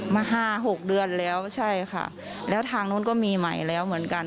มาห้าหกเดือนแล้วใช่ค่ะแล้วทางนู้นก็มีใหม่แล้วเหมือนกัน